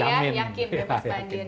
yakin bebas banjir